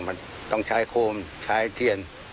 มันต้องใช้โคมใช้เทียน